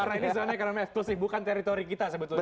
karena ini sebenarnya karena f f tulis bukan teritori kita sebetulnya